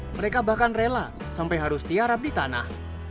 mereka bahkan rela sampai harus tiarap di tanah